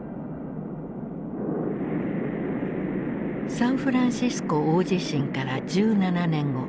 サンフランシスコ大地震から１７年後。